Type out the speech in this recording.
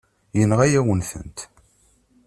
Yenɣa-yawen-tent.